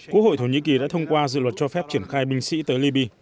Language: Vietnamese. quốc hội thổ nhĩ kỳ đã thông qua dự luật cho phép triển khai binh sĩ tới liby